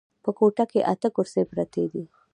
په کوټه کې اته کرسۍ پرتې دي.